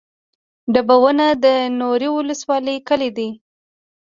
ډبونه د منورې ولسوالۍ کلی دی